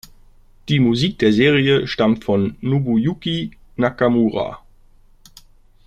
Die Musik der Serie stammt von Nobuyuki Nakamura.